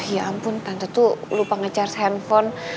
ya ampun tante tuh lupa ngecharge handphone